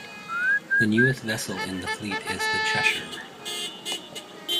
The newest vessel in the fleet is the "Cheshire".